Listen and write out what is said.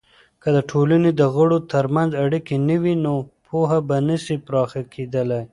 که د ټولني دغړو ترمنځ اړیکې نه وي، نو پوهه به نسي پراخه کیدلی.